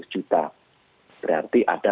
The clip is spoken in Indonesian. enam puluh juta berarti ada